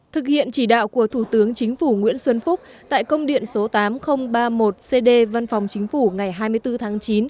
thực hiện chỉ đạo của thủ tướng chính phủ nguyễn xuân phúc tại công điện số tám nghìn ba mươi một cd văn phòng chính phủ ngày hai mươi bốn tháng chín